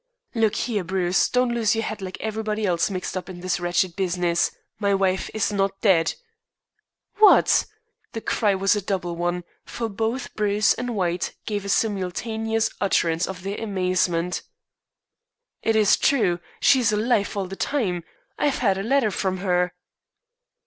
"Look here, Bruce. Don't lose your head like everybody else mixed up in this wretched business. My wife is not dead." "What!" The cry was a double one, for both Bruce and White gave simultaneous utterance to their amazement. "It is true. She is alive all the time. I have had a letter from her."